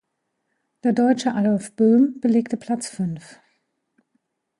Der Deutsche Adolf Böhm belegte Platz fünf.